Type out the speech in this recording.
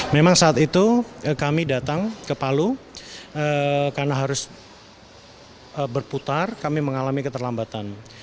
memang saat itu kami datang ke palu karena harus berputar kami mengalami keterlambatan